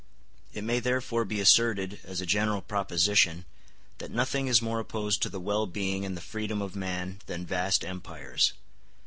It may therefore be asserted as a general proposition that nothing is more opposed to the well being and the freedom of man than vast empires.